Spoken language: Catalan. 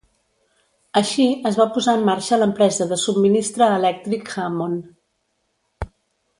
Així es va posar en marxa l'empresa de subministre elèctric Hammond.